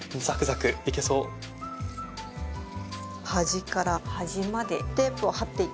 端から端までテープを貼っていきます。